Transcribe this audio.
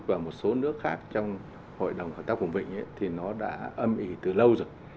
và một số nước khác trong hội đồng hợp tác của vịnh thì nó đã âm ỉ từ lâu rồi